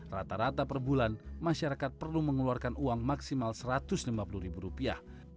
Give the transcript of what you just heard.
rata rata perbulan masyarakat perlu mengeluarkan uang maksimal satu ratus lima puluh rupiah